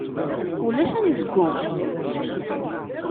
Ulac anezgum.